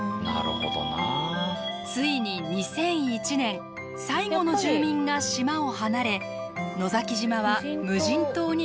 ついに２００１年最後の住民が島を離れ野崎島は無人島になったのです。